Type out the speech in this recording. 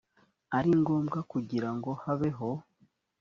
ari ngombwa kugira ngo habeho